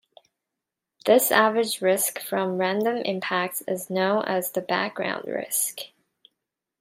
This average risk from random impacts is known as the background risk.